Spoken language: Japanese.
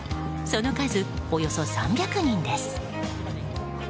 その数、およそ３００人です。